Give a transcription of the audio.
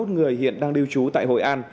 ba mươi một người hiện đang điêu trú tại hội an